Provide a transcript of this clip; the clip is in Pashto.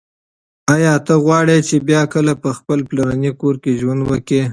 ایا ته غواړې چې بیا کله په خپل پلرني کور کې ژوند وکړې؟